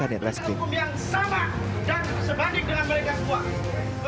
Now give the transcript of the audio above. hukum yang sama dan sebanding dengan mereka semua